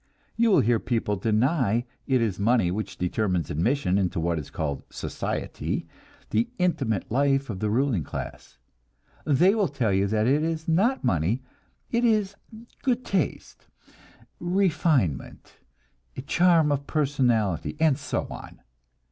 You will hear people deny it is money which determines admission into what is called "society," the intimate life of the ruling class. They will tell you that it is not money, it is "good taste," "refinement," "charm of personality," and so on.